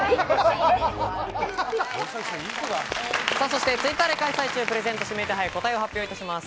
そしてＴｗｉｔｔｅｒで開催中プレゼント指名手配、答えを発表いたします。